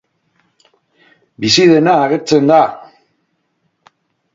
Bizi dena agertzen da!